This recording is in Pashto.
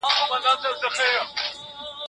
خاورې ته ورتلونکي یو.